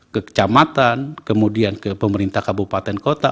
ke kecamatan kemudian ke pemerintah kabupaten kota